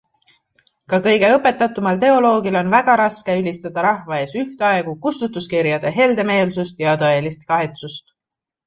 Ka kõige õpetatumal teoloogil on väga raske ülistada rahva ees ühtaegu kustutuskirjade heldemeelsust ja tõelist kahetsust.